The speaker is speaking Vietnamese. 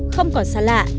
không còn xa lạ